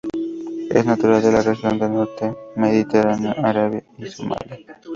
Es natural de la región del Mediterráneo, Arabia y Somalía.